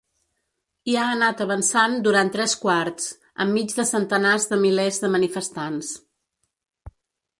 I ha anat avançant durant tres quarts, enmig de centenars de milers de manifestants.